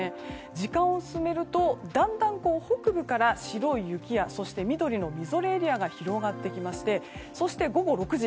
時間を進めると、だんだん北部から白い雪やそして緑のみぞれエリアが広がってきましてそして、午後６時。